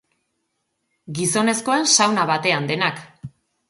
Gizonezkoen sauna batean denak.